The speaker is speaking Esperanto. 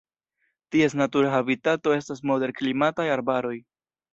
Ties natura habitato estas moderklimataj arbaroj.